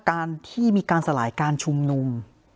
การที่มีการสลายการชุมนุม